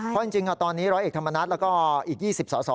เพราะจริงตอนนี้ร้อยเอกธรรมนัฐแล้วก็อีก๒๐สอสอ